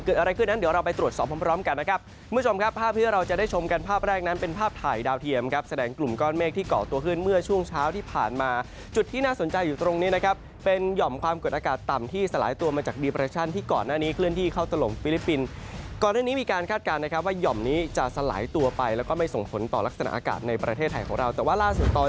เกิดอะไรขึ้นนั้นเดี๋ยวเราไปตรวจสอบพร้อมกันนะครับคุณผู้ชมครับภาพเพื่อเราจะได้ชมกันภาพแรกนั้นเป็นภาพถ่ายดาวเทียมครับแสดงกลุ่มก้อนเมฆที่เกาะตัวขึ้นเมื่อช่วงเช้าที่ผ่านมาจุดที่น่าสนใจอยู่ตรงนี้นะครับเป็นหย่อมความเกิดอากาศต่ำที่สลายตัวมาจากดีประชาชนที่เกาะหน้านี้เคล